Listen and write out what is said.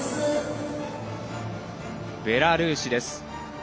ベラルーシです。